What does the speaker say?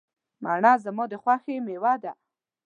مڼه زما د خوښې مېوه ده.